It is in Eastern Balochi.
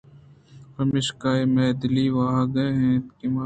پمیشکا اے مئے دلی واھگ اِنت کہ ما